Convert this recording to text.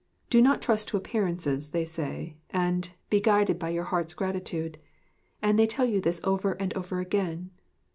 "Do not trust to appearance," they say, and "Be guided by your heart's gratitude"; and they tell you this over and over again.